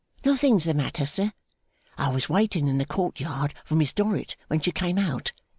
'Nothing's the matter, sir. I was waiting in the court yard for Miss Dorrit when she came out.